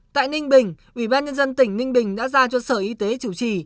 tại ninh bình ubnd tp ninh bình đã ra cho sở y tế chủ trì